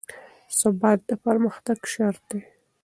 ثبات د پرمختګ شرط دی